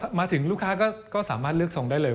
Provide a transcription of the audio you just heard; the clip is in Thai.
มาถึงลูกค้าก็สามารถเลือกทรงได้เลย